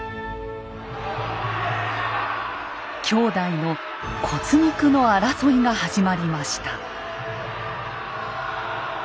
兄弟の骨肉の争いが始まりました。